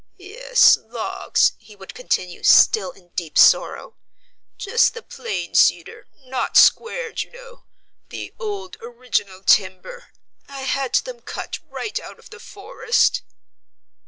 "Yes, logs," he would continue, still in deep sorrow; "just the plain cedar, not squared, you know, the old original timber; I had them cut right out of the forest."